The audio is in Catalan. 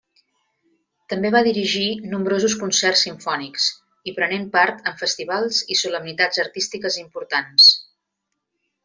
També va dirigir nombrosos concerts simfònics i prenent part en festivals i solemnitats artístiques importants.